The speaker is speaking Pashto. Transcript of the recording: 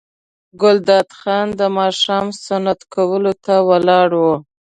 ګلداد خان د ماښام سنتو کولو ته ولاړ و.